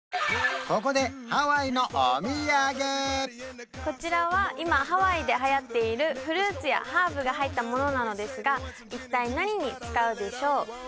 ここでこちらは今ハワイではやっているフルーツやハーブが入ったものなのですが一体何に使うでしょう？